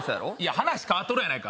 話変わっとるやないか。